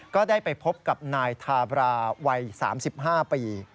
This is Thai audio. ก็ได้ไปพบกับนายทาบราวัย๓๕ปี